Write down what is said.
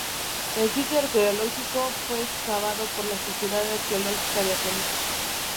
El sitio arqueológico fue excavado por la Sociedad Arqueológica de Atenas.